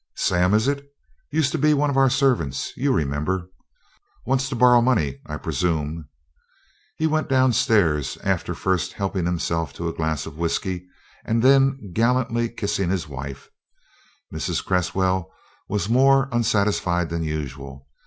"Sam, is it? Used to be one of our servants you remember? Wants to borrow more money, I presume." He went down stairs, after first helping himself to a glass of whiskey, and then gallantly kissing his wife. Mrs. Cresswell was more unsatisfied than usual.